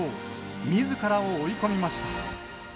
みずからを追い込みました。